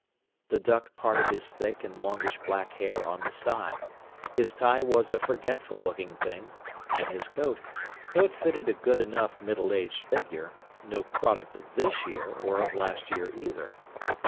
The duck parted his thick and longish black hair on the side; his tie was a forgetful looking thing, and his coat, though it fitted a good enough middle aged figure, no product of this year, or of last year either.